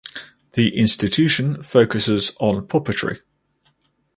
The institution focuses on puppetry.